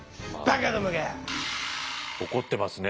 怒ってますね。